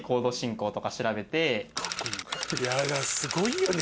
やだすごいよね